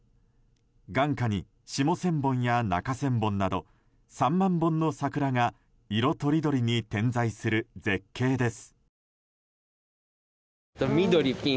眼下に下千本や中千本など３万本の桜が色とりどりに点在する絶景です。